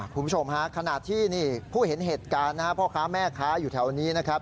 คุณผู้ชมขนาดที่ผู้เห็นเหตุการณ์พ่อค้าแม่ค้าอยู่แถวนี้นะครับ